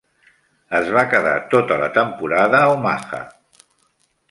Es va quedar tota la temporada a Omaha.